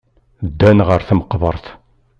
Ddan ɣer tmeqbert.